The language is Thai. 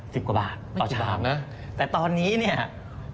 สิบกว่าบาทต่อฉามแต่ตอนนี้เนี่ยไม่กี่บาทนะ